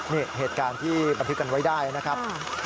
นี่เหตุการณ์ที่บันทึกกันไว้ได้นะครับ